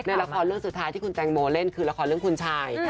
ในละครเรื่องสุดท้ายที่คุณแตงโมเล่นคือละครเรื่องคุณชาย